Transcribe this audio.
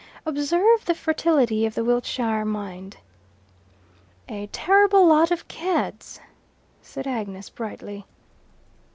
Observe the fertility of the Wiltshire mind." "A terrible lot of Cads," said Agnes brightly.